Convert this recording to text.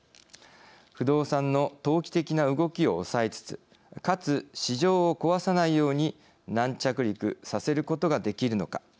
不動産の投機的な動きを抑えつつかつ市場を壊さないように軟着陸させることができるのか。